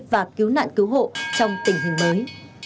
và cứu nạn cứu hộ trong tình hình mới